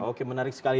oke menarik sekali